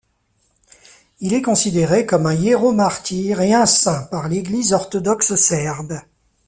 Il est considéré comme un hiéromartyr et un saint par l'Église orthodoxe serbe.